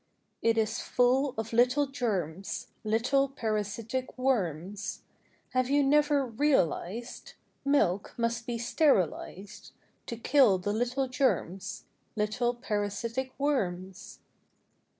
" It is full of little germs— Little parasitic worms. Have you never realized Milk must be sterilized, To kill the little germs— Little parasitic worms?"